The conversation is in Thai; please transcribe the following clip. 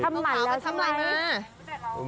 ทองขาวก็ทำอะไรมา